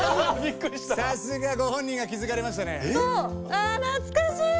あ懐かしい！